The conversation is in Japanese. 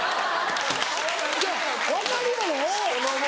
いや分かるやろ。